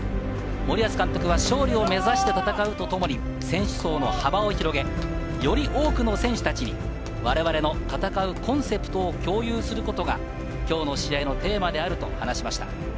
森保監督は勝利を目指して戦うとともに、選手層の幅を広げ、より多くの選手たちに我々の戦うコンセプトを共有することが、きょうの試合のテーマであると話しました。